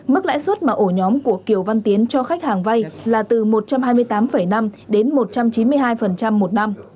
mức lãi suất mà ổ nhóm của kiều văn tiến cho khách hàng vay là từ một trăm hai mươi tám năm đến một trăm chín mươi hai một năm